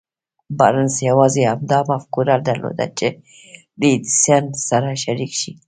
بارنس يوازې همدا مفکوره درلوده چې له ايډېسن سره شريک شي.